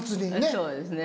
そうですね。